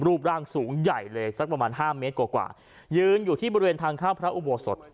รูปร่างสูงใหญ่เลยสักประมาณห้าเมตรกว่ายืนอยู่ที่บริเวณทางเข้าพระอุโบสถ